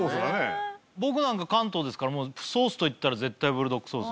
僕なんか関東ですからもうソースといったら絶対ブルドックソース。